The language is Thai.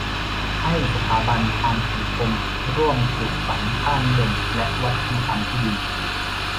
ให้สถาบันทางสังคมร่วมปลูกฝังค่านิยม และวัฒนธรรมที่ดี